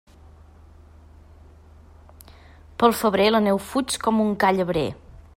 Pel febrer, la neu fuig com un ca llebrer.